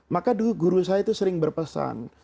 maka dulu guru saya itu sering berpesan